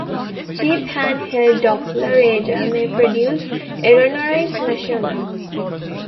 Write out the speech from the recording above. Cheap hand held Doppler radar may produce erroneous measurements.